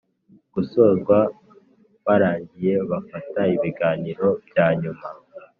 gusozwa baragiye bafata ibiganiro byanyuma